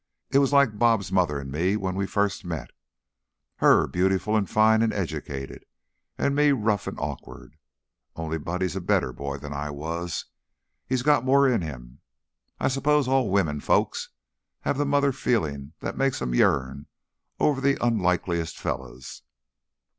It was like 'Bob's' mother and me when we first met; her beautiful and fine and educated, and me rough and awkward. Only Buddy's a better boy than I was. He's got more in him. I s'pose all womenfolks have that mother feeling that makes 'em yearn over the unlikeliest fellers."